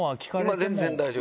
今は全然大丈夫。